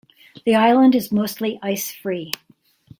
The island is mostly ice free.